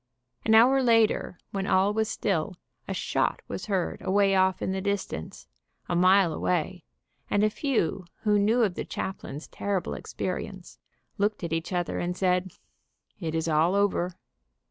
An hour later, when all was still, a shot was heard away off in the distance, a mile away, and a few who knew of the chaplain's terrible experience looked at each other and said, "It is all over."